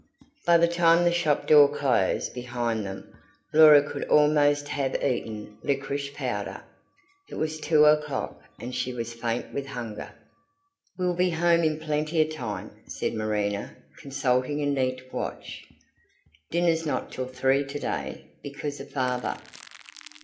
By the time the shop door closed behind them, Laura could almost have eaten liquorice powder. It was two o'clock, and she was faint with hunger. "We'll be home in plenty of time," said Marina, consulting a neat watch. "Dinner's not till three today, because of father."